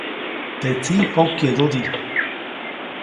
Teʼ tsiʼ pokyeʼdudi.